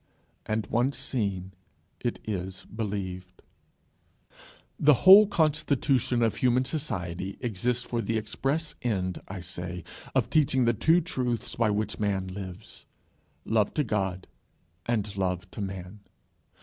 And once seen, it is believed. The whole constitution of human society exists for the express end, I say, of teaching the two truths by which man lives, Love to God and Love to Man.